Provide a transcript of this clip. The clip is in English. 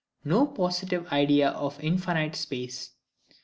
No positive Idea of infinite Space.